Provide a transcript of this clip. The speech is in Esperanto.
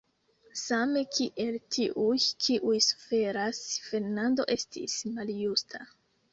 Same kiel tiuj, kiuj suferas, Fernando estis maljusta.